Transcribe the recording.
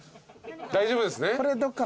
大丈夫ですね？